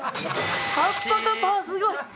『パッパカパー』すごい！